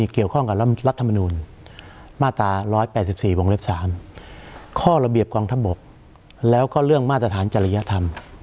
ข้อระเบียบกองทั้งบทแล้วก็เรื่องมาตรฐานธรรยายธรรม